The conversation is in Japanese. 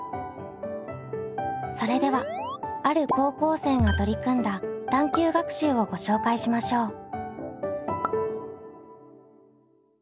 それではある高校生が取り組んだ探究学習をご紹介しましょう。